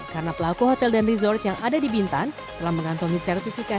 karena pelaku hotel dan resort yang ada di bintan telah mengantungi sertifikat